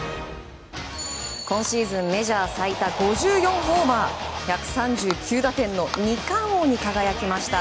今シーズン、メジャー最多５４ホーマー１３９打点の２冠王に輝きました。